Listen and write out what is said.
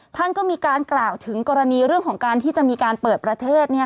ท่านก็มีการกล่าวถึงกรณีเรื่องของการที่จะมีการเปิดประเทศ